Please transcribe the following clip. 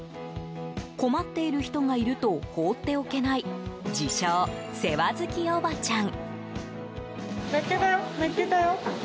困っている人がいると放っておけない自称、世話好きおばちゃん。